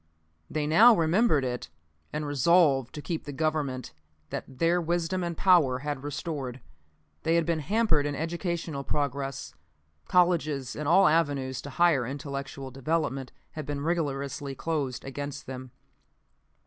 They now remembered it, and resolved to keep the Government that their wisdom and power had restored. They had been hampered in educational progress. Colleges and all avenues to higher intellectual development had been rigorously closed against them.